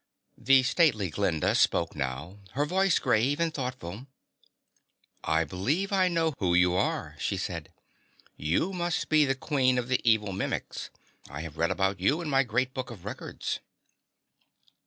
The stately Glinda spoke now, her voice grave and thoughtful. "I believe I know who you are," she said. "You must be the Queen of the evil Mimics. I have read about you in my Great Book of Records."